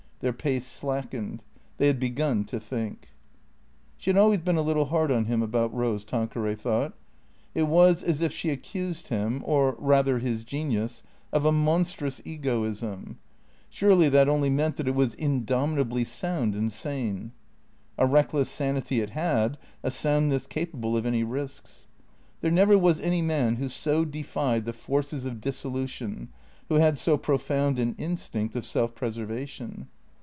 Their pace slackened. They had begun to think. She had always been a little hard on him about Rose, Tan queray thought. It was as if she accused him, or rather his genius, of a monstrous egoism. Surely that only meant that it was indomitably sound and sane. A reckless sanity it had, a soundness capable of any risks. There never was any man who so defied the forces of dissolution, who had so profound an instinct of self preservation.